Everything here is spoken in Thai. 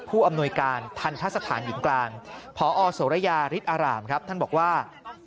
ผู้อำนวยการทันทรสถานหญิงกลางพศศฤิษฐารามท่านบอกว่า